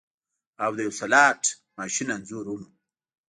او د یو سلاټ ماشین انځور هم و